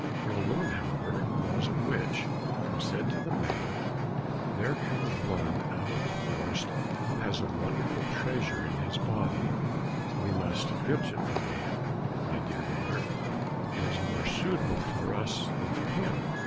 The old woman, however, was a witch and said to the maiden, "There comes one out of the forest, who has a wonderful treasure in his body, we must filch it from him, my dear daughter, it is more suitable for us than for him.